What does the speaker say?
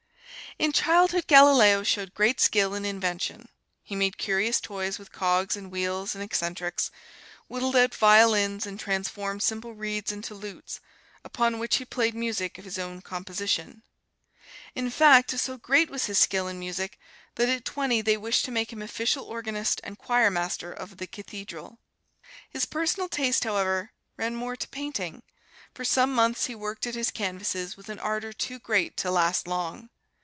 In childhood Galileo showed great skill in invention. He made curious toys with cogs and wheels and eccentrics; whittled out violins, and transformed simple reeds into lutes, upon which he played music of his own composition. In fact, so great was his skill in music that at twenty they wished to make him official organist and choirmaster of the Cathedral. His personal taste, however, ran more to painting; for some months he worked at his canvases with an ardor too great to last long.